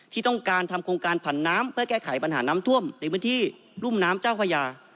ที่ต้องการทำโครงการผันน้ำเพื่อแก้ไขปัญหาน้ำท่วมในพื้นที่รุ่มน้ำเจ้าพญา